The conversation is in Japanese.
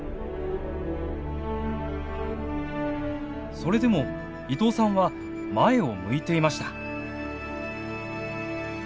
それでも伊藤さんは前を向いていました。